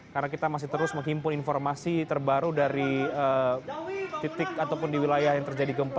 karena kita masih terus menghimpun informasi terbaru dari titik ataupun di wilayah yang terjadi gempa